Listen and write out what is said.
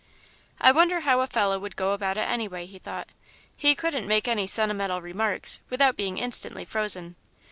"I wonder how a fellow would go about it anyway," he thought. "He couldn't make any sentimental remarks, without being instantly frozen.